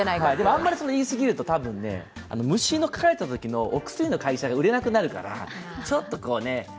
あんまり言いすぎると、虫に刺されたときのお薬の会社が売れなくなるから、ちょっとね。